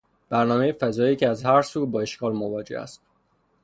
برنامهی فضایی که از هر سو با اشکال مواجه است